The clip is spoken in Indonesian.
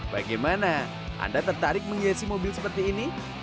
bagaimana anda tertarik menghiasi mobil seperti ini